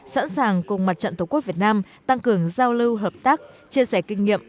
sẵn sàng cùng mặt trận tổ quốc việt nam tăng cường giao lưu hợp tác chia sẻ kinh nghiệm